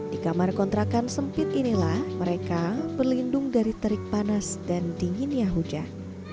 di kamar kontrakan sempit inilah mereka berlindung dari terik panas dan dinginnya hujan